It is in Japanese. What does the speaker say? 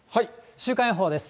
週間予報です。